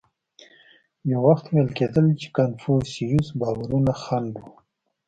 یو وخت ویل کېدل چې کنفوسیوس باورونه خنډ و.